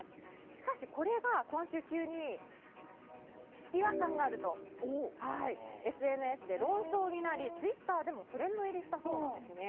しかしこれが今週、急に違和感があるとＳＮＳで論争になりツイッターでもトレンド入りしたそうなんですね。